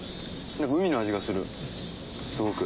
海の味がするすごく。